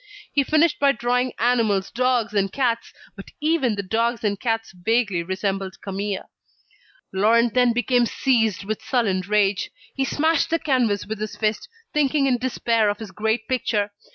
He finished by drawing animals, dogs and cats; but even the dogs and cats vaguely resembled Camille. Laurent then became seized with sullen rage. He smashed the canvas with his fist, thinking in despair of his great picture.